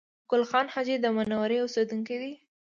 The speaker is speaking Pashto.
ګل خان حاجي د منورې اوسېدونکی دی